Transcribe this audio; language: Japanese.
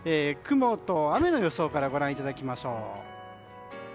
雲と雨の予想からご覧いただきましょう。